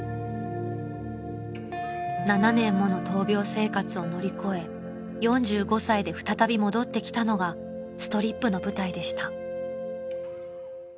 ［７年もの闘病生活を乗り越え４５歳で再び戻ってきたのがストリップの舞台でした］